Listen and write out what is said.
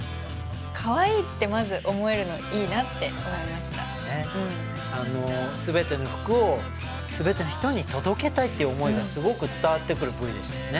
かわいいってまず思えるのいいなって思いました全ての服を全ての人に届けたいっていう思いがすごく伝わってくるＶでしたね